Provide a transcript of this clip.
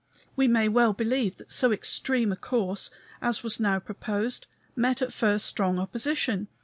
We may well believe that so extreme a course as was now proposed met at first strong opposition.